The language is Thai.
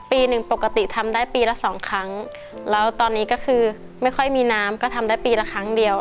ปีหนึ่งปกติทำได้ปีละสองครั้งแล้วตอนนี้ก็คือไม่ค่อยมีน้ำก็ทำได้ปีละครั้งเดียว